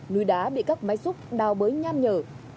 núi đá bị các máy xúc đào bới nhan nhở